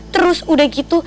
terus udah gitu